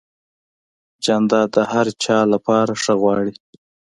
جانداد د هر چا لپاره ښه غواړي.